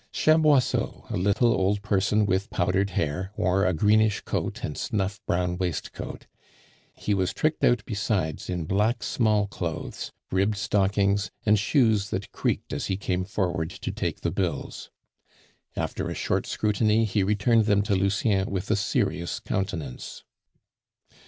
Chaboisseau, a little old person with powdered hair, wore a greenish coat and snuff brown waistcoat; he was tricked out besides in black small clothes, ribbed stockings, and shoes that creaked as he came forward to take the bills. After a short scrutiny, he returned them to Lucien with a serious countenance.